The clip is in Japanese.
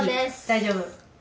大丈夫？